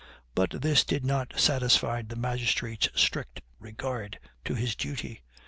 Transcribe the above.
But this did not satisfy the magistrate's strict regard to his duty.